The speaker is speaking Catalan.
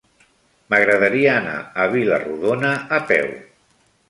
M'agradaria anar a Vila-rodona a peu.